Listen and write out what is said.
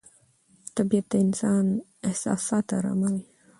طبیعت د انسان احساسات اراموي